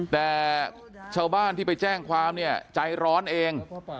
แต่ชาวบ้านที่ไปแจ้งความเนี่ยใจร้อนเอง